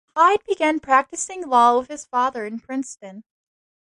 Hyde began practicing law with his father in Princeton.